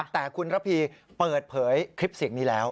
แต่คุณระพีเปิดเผยคลิปเสียงนี้แล้ว